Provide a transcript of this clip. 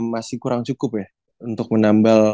masih kurang cukup ya untuk menambal